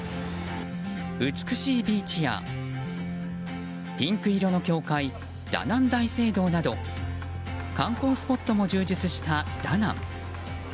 美しいビーチやピンク色の教会ダナン大聖堂など観光スポットも充実したダナン。